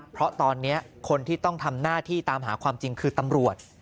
เพราะตอนนี้คนที่ต้องทำหน้าที่ตามหาความจริงคือตำรวจ